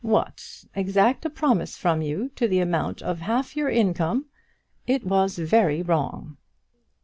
What! exact a promise from you to the amount of half your income. It was very wrong."